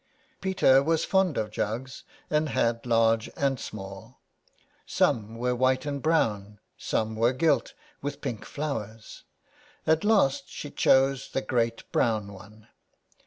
Peter was fond of jugs, and had large and small ; some were white and brown, and some were gilt, with pink flowers. At last she chose the great brown one.